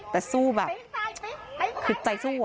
แต่สู้แบบขึ้นใจสู้